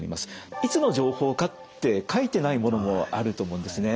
いつの情報かって書いてないものもあると思うんですね。